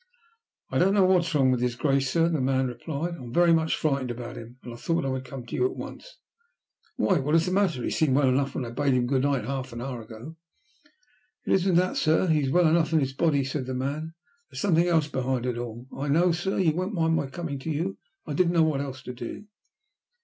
"I don't know what's wrong with his Grace, sir," the man replied. "I'm very much frightened about him, and I thought I would come to you at once." "Why, what is the matter? He seemed well enough when I bade him good night, half an hour or so ago." "It isn't that, sir. He's well enough in his body," said the man. "There's something else behind it all. I know, sir, you won't mind my coming to you. I didn't know what else to do."